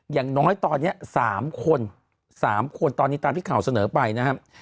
อย่างน้อยตอนนี้๓คน๓คนตอนนี้ตามที่ข่าวเสนอไปนะครับ